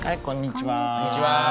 こんにちは。